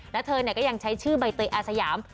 แล้วเธอก็ยังใช้ชื่อใบเตยอาสยาม